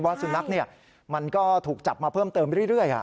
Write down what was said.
สุนัขมันก็ถูกจับมาเพิ่มเติมเรื่อย